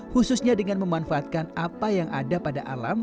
khususnya dengan memanfaatkan apa yang ada pada alam